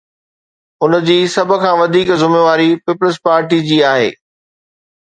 ان جي سڀ کان وڌيڪ ذميواري پيپلز پارٽيءَ جي آهي.